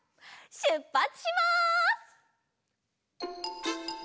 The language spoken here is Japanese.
しゅっぱつします！